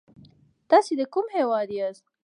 تاسې د کوم هيواد ياست؟